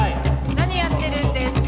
何やってるんですか？